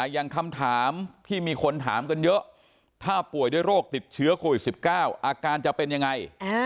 อย่างคำถามที่มีคนถามกันเยอะถ้าป่วยด้วยโรคติดเชื้อโควิด๑๙อาการจะเป็นยังไง